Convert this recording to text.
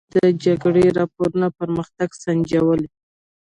ازادي راډیو د د جګړې راپورونه پرمختګ سنجولی.